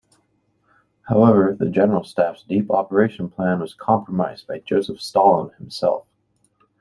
However, the General Staff's deep operation plan was compromised by Joseph Stalin himself.